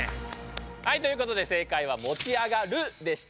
はいということで正解は持ち上がるでした。